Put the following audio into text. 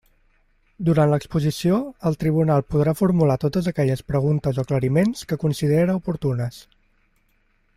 Durant l'exposició el tribunal podrà formular totes aquelles preguntes o aclariments que considere oportunes.